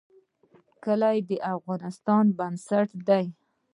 کلي د افغانستان بنسټ دی